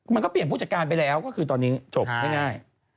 มันก็เปลี่ยนผู้จัดการไปแล้วก็คือตอนนี้จบง่าย